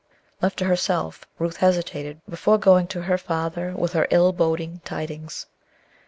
Left to herself, Ruth hesitated before going to her father with her ill boding tidings.